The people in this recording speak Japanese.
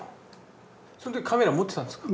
その時カメラ持ってたんですか？